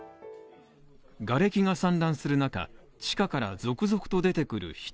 瓦礫が散乱する中、地下から続々と出てくる人。